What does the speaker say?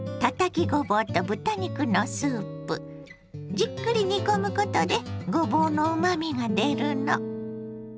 じっくり煮込むことでごぼうのうまみが出るの。